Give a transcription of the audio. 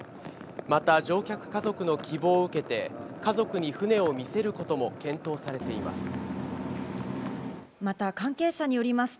また、乗客家族の希望を受けて、家族に船を見せることも検討されています。